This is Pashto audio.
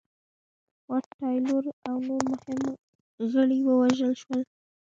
واټ تایلور او نور مهم غړي ووژل شول.